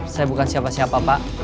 saya bukan siapa siapa pak